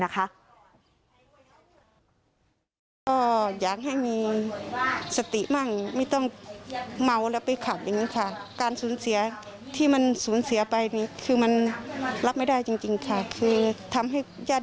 ก็อยากให้มีสติมั่งไม่ต้องเมาแล้วไปขับอย่างนี้ค่ะการสูญเสียที่มันสูญเสียไปนี่คือมันรับไม่ได้จริงค่ะคือทำให้ญาติ